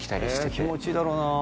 気持ちいいだろうな